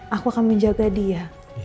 aku akan menjaga dia